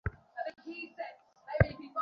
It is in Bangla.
একটা তীব্র গন্ধ।